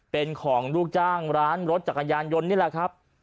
เป็นของลูกจ้างร้านรถจักรยานยนต์นี่แหละครับ